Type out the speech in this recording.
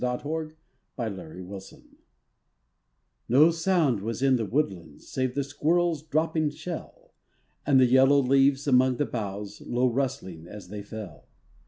WOODLAND ANIMALS No sound was in the woodlands Save the squirrel's dropping shell And the yellow leaves among the boughs, Low rustling as they fell.